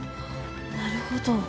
なるほど。